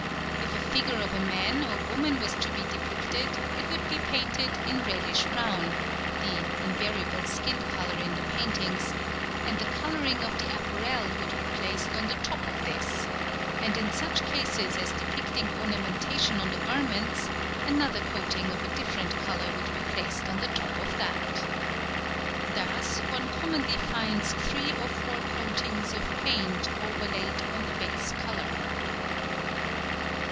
If a figure of a man or woman was to be depicted it would be painted in reddish brown (the invariable skin colour in the paintings), and the colouring of the apparel would be placed on the top of this; and in such cases as depicting ornamentation on the garments, another coating of a different colour would be placed on the top of that. Thus one commonly finds three or four coatings of paint overlaid on the base colour.